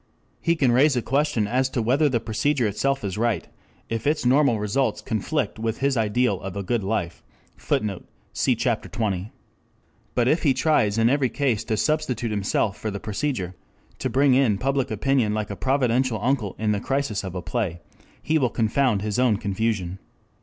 He can raise a question as to whether the procedure itself is right, if its normal results conflict with his ideal of a good life. [Footnote: Cf. Chapter XX. ] But if he tries in every case to substitute himself for the procedure, to bring in Public Opinion like a providential uncle in the crisis of a play, he will confound his own confusion.